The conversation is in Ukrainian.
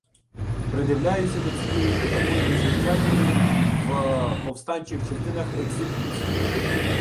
Придивляюся до цієї, такої незвичайної в повстанчих частинах, екзекуції.